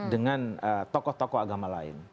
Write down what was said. dengan tokoh tokoh agama lain